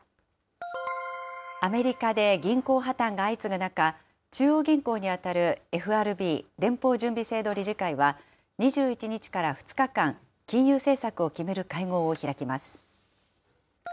アメリカで銀行破綻が相次ぐ中、中央銀行に当たるＦＲＢ・連邦準備制度理事会は、２１日から２日間、金融政策を決める会合を開きます。